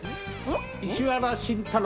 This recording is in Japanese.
石原慎太郎